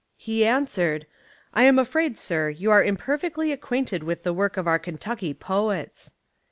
He answered, "I am afraid, sir, you are imperfectly acquainted with the work of our Kentucky poets."